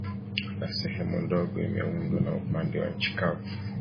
Na sehemu ndogo imeundwa na upande wa nchi kavu